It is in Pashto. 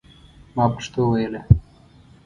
ما پښتو ویله.